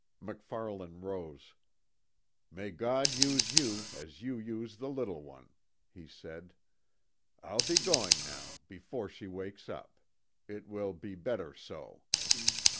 MacFarlane rose; "May God use you as you use the little one," he said, "I'll be going now, before she wakes up. It will be better so."